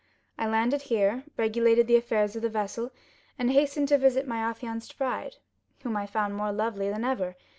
I landed here, regulated the affairs of the vessel, and hastened to visit my affianced bride, whom I found more lovely than ever.